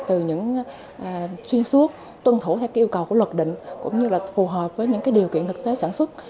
từ những chuyên suốt tuân thủ theo yêu cầu của luật định cũng như là phù hợp với những điều kiện thực tế sản xuất